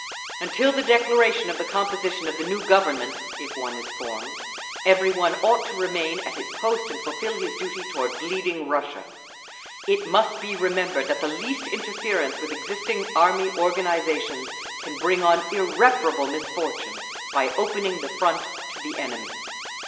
Until the declaration of the composition of the new Government—if one is formed—every one ought to remain at his post and fulfil his duty toward bleeding Russia. It must be remembered that the least interference with existing Army organisations can bring on irreparable misfortunes, by opening the Front to the enemy.